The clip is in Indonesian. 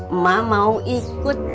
emak mau ikut sarapan